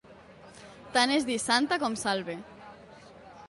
Tant és dir santa com salve.